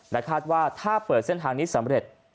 และคาดว่าถ้าเปิดเส้นทางนี้สำเร็จ